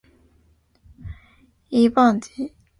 您瞧瞧，这叫一个地道！